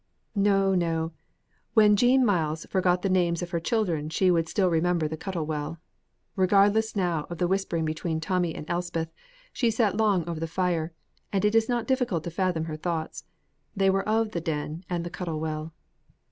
No, no; when Jean Myles forgot the names of her children she would still remember the Cuttle Well. Regardless now of the whispering between Tommy and Elspeth, she sat long over the fire, and it is not difficult to fathom her thoughts. They were of the Den and the Cuttle Well.